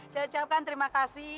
saya ucapkan terima kasih